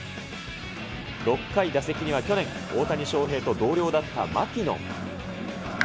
６回、打席には去年、大谷翔平と同僚だったマキノン。